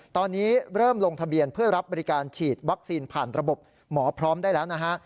ตอนนี้เริ่มลงทะเบียนเพื่อรับบริการฉีดวัคซีนผ่านระบบหมอพร้อมได้แล้วนะฮะ